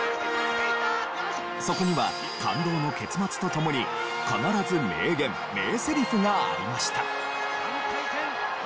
そこには感動の結末と共に必ず名言・名セリフがありました。